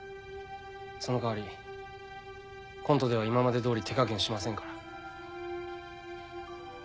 その代わりコントでは今までどおり手加減しませんから。